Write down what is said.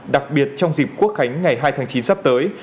đặc biệt trong dịp quốc khánh ngày hai tháng chín sắp tới